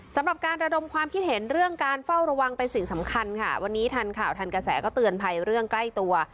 สำหรับการระดมความคิดเห็นเรื่องการเฝ้าระวังเป็นสิ่งสำคัญค่ะวันนี้ทันข่าวทันกระแสก็เตือนภัยเรื่องใกล้ตัว